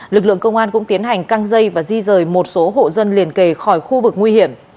lực lượng công an cũng tiến hành căng dây và di rời một số hộ dân liền kề khỏi khu vực nguy hiểm